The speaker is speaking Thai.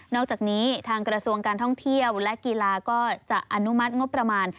อกจากนี้ทางกระทรวงการท่องเที่ยวและกีฬาก็จะอนุมัติงบประมาณ